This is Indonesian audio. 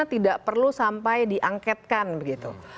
tidak perlu sampai di angket kan begitu